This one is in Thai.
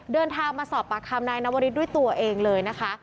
เดินทางมาสอบปากคำนายนวริสด้วยตัวเองเลยนะคะ